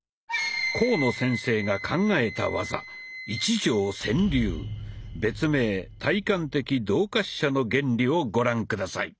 甲野先生が考えた技「一条潜流」別名「体感的動滑車の原理」をご覧下さい。